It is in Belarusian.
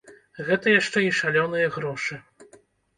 Гэта яшчэ і шалёныя грошы.